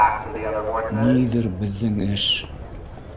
Ниҙер беҙҙең эш